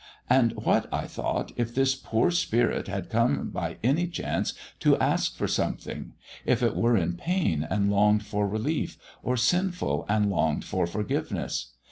And what, I thought, if this poor spirit had come by any chance to ask for something; if it were in pain and longed for relief, or sinful and longed for forgiveness?